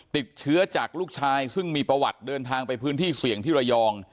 ติดเชื้อจากลูกชายซึ่งมีประวัติเดินทางไปพื้นที่เสี่ยงที่ระยอง